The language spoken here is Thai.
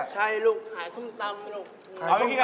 ใช่ลูกขายส้มตำลูก